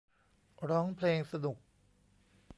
ร้องเพลง สนุก